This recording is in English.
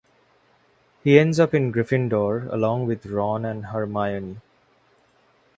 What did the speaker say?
He ends up in Gryffindor along with Ron and Hermione.